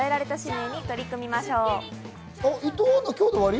伊藤アナ、今日で終わり？